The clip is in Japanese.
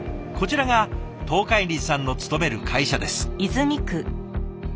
こちらが東海林さんの勤める会社です。